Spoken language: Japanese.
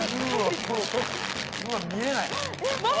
うわっ見えない。